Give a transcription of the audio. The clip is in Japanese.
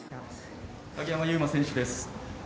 鍵山優真選手です。